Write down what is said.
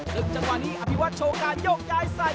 จังหวะนี้อภิวัตโชว์การโยกย้ายใส่